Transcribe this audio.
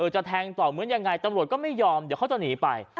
จะแทงต่อเหมือนยังไงตำรวจก็ไม่ยอมเดี๋ยวเขาจะหนีไป